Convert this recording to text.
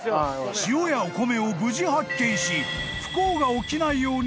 ［塩やお米を無事発見し不幸が起きないようにお清め］